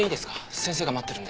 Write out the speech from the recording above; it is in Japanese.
先生が待ってるんで。